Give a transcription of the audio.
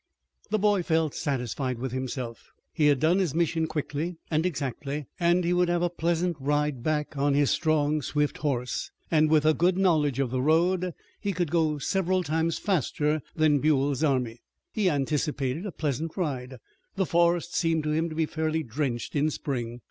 The boy felt satisfied with himself. He had done his mission quickly and exactly, and he would have a pleasant ride back. On his strong, swift horse, and with a good knowledge of the road, he could go several times faster than Buell's army. He anticipated a pleasant ride. The forest seemed to him to be fairly drenched in spring.